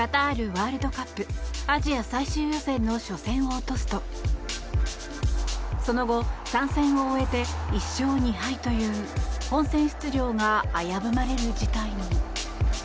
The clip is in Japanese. ワールドカップアジア最終予選の初戦を落とすとその後、３戦を終えて１勝２敗という本戦出場が危ぶまれる事態に。